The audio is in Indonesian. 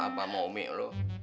pasal abah sama umi lo